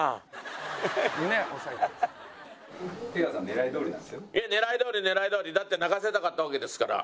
狙い通り狙い通り！だって泣かせたかったわけですから。